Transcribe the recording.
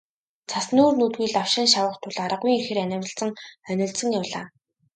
Цас нүүр нүдгүй лавшин шавах тул аргагүйн эрхээр анивалзан онилзон явлаа.